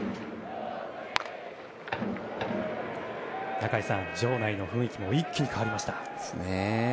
中居さん、場内の雰囲気も一気に変わりました。